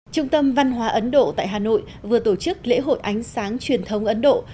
trung tâm văn hóa ấn độ tại hà nội vừa tổ chức lễ hội ánh sáng truyền thống ấn độ